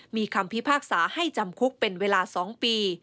มีคำพิพากษาให้จำคุกเป็นเวลา๒ปี